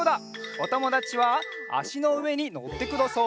おともだちはあしのうえにのってください。